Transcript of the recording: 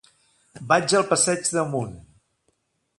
Vaig al passeig d'Amunt.